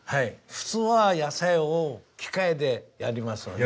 普通は野菜を機械でやりますよね。